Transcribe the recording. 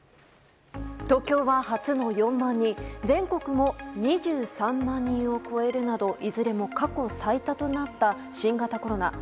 東京は初の４万人全国も２３万人を超えるなどいずれも過去最多となった新型コロナ。